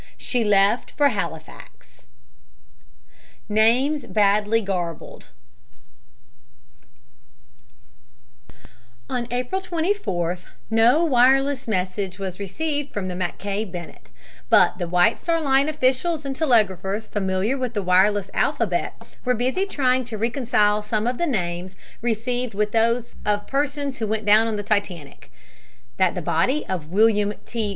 She left for Halifax. NAMES BADLY GARBLED On April 24th no wireless message was received from the Mackay Bennett, but the White Star Line officials and telegraphers familiar with the wireless alphabet were busy trying to reconcile some of the names received with those of persons who went down on the Titanic. That the body of William T.